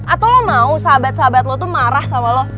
atau lu mau sahabat sahabat lu tuh marah sama lu